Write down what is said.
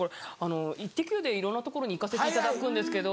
『イッテＱ！』でいろんな所に行かせていただくんですけど。